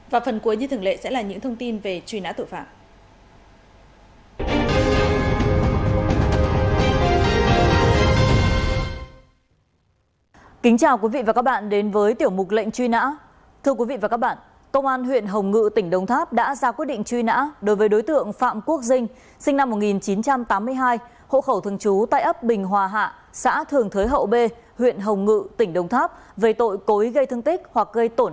và phần cuối như thường lệ sẽ là những thông tin về truy nã tội phạm